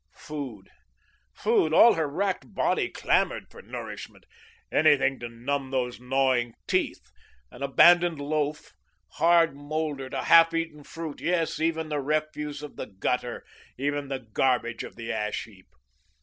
Food, food, all her wrecked body clamoured for nourishment; anything to numb those gnawing teeth an abandoned loaf, hard, mouldered; a half eaten fruit, yes, even the refuse of the gutter, even the garbage of the ash heap.